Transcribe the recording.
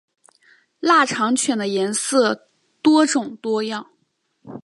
腊肠犬的颜色多种多样。